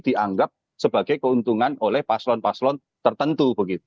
dianggap sebagai keuntungan oleh paslon paslon tertentu